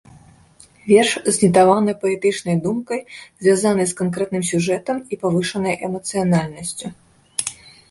Верш знітаваны паэтычнай думкай, звязанай з канкрэтным сюжэтам і павышанай эмацыянальнасцю.